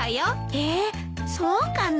えっそうかな？